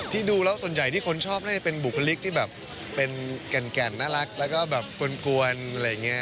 ดูแล้วส่วนใหญ่ที่คนชอบน่าจะเป็นบุคลิกที่แบบเป็นแก่นน่ารักแล้วก็แบบกลวนอะไรอย่างนี้